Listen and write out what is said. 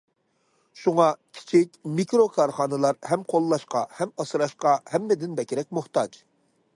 شۇڭا، كىچىك، مىكرو كارخانىلار ھەم قوللاشقا، ھەم ئاسراشقا ھەممىدىن بەكرەك موھتاج.